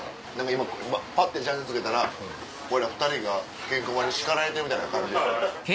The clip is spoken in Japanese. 今パッてチャンネルつけたら俺ら２人がケンコバに叱られてるみたいな感じ。